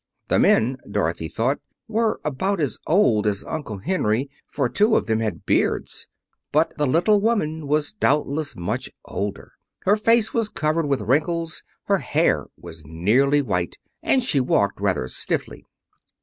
The men, Dorothy thought, were about as old as Uncle Henry, for two of them had beards. But the little woman was doubtless much older. Her face was covered with wrinkles, her hair was nearly white, and she walked rather stiffly.